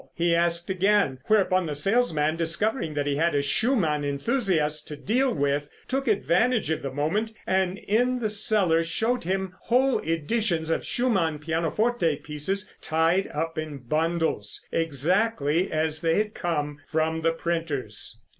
he asked again, whereupon the salesman, discovering that he had a Schumann enthusiast to deal with, took advantage of the moment and in the cellar showed him whole editions of Schumann pianoforte pieces tied up in bundles, exactly as they had come from the printers.